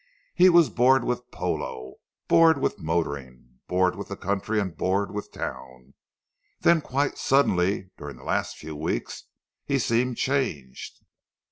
He was bored with polo, bored with motoring, bored with the country and bored with town. Then quite suddenly during the last few weeks he seemed changed.